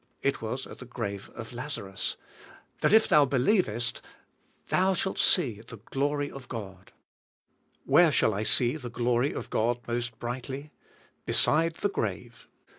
It was at the grave of Laza rus — ''that if thou believest, thou shalt see the glory of God?" Where shall I see the glory oi DEAD WITH CHRIST 123 God most brightly ? Beside the grave.